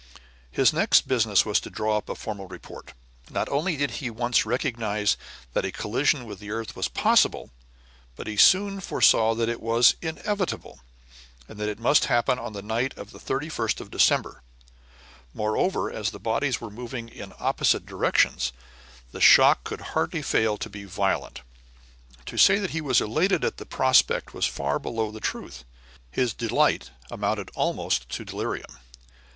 His next business was to draw up a formal report. Not only did he at once recognize that a collision with the earth was possible, but he soon foresaw that it was inevitable, and that it must happen on the night of the 31st of December; moreover, as the bodies were moving in opposite directions, the shock could hardly fail to be violent. To say that he was elated at the prospect was far below the truth; his delight amounted almost to delirium.